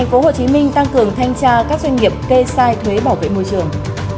tp hcm tăng cường thanh tra các doanh nghiệp kê sai thuế bảo vệ môi trường